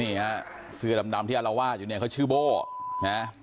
นี่ฮะเสื้อดำที่อารวาสอยู่เนี่ยเขาชื่อโบ้นะ